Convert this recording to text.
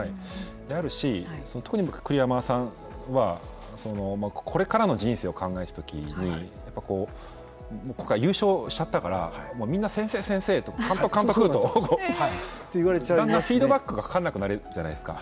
であるし特に栗山さんはこれからの人生を考えた時に優勝しちゃったからみんな先生、先生と監督、監督とだんだんフィードバックがかからなくなるじゃないですか。